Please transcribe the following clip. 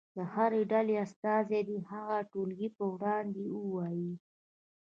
د هرې ډلې استازی دې هغه ټولګي په وړاندې ووایي.